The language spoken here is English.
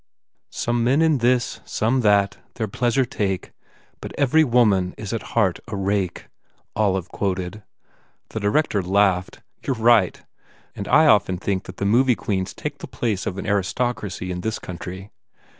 " Some men in this, some that, their pleasure take, but every woman is at heart a rake, 1 " Olive quoted. The director laughed, "You re right. And I often think that the movie queens take the place of an aristocracy in this country.